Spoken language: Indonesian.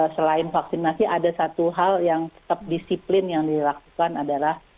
selain vaksinasi ada satu hal yang tetap disiplin yang dilakukan adalah